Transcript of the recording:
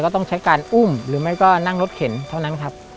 ต้องใช้การอุ้มหรือไม่ก็นั่งรถเข็นเท่านั้นครับ